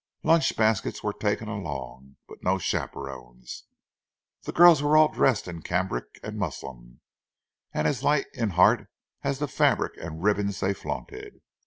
Lunch baskets were taken along, but no chaperons. The girls were all dressed in cambric and muslin and as light in heart as the fabrics and ribbons they flaunted.